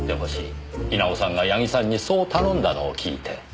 稲尾さんが矢木さんにそう頼んだのを聞いて。